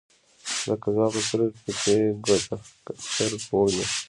لکه زما په سترګو کې چي “ګوتهک چرچ” ویني